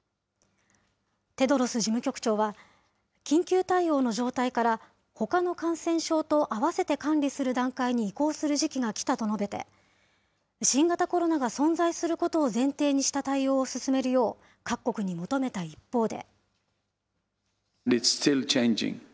テドロス事務局長は、緊急対応の状態からほかの感染症と合わせて管理する段階に移行する時期が来たと述べて、新型コロナが存在することを前提にした対応を進めるよう、各国に求めた一方で。